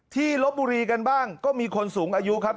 ลบบุรีกันบ้างก็มีคนสูงอายุครับ